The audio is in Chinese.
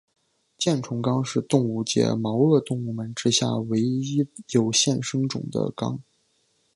箭虫纲是动物界毛颚动物门之下唯一有现生种的纲。